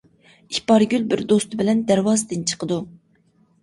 ئىپارگۈل بىر دوستى بىلەن دەرۋازىدىن چىقىدۇ.